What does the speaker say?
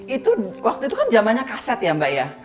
itu waktu itu kan zamannya kaset ya mbak ya